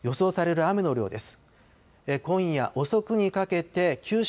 予想される雨の量です。